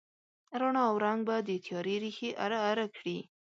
رڼا او رنګ به د تیارې ریښې اره، اره کړي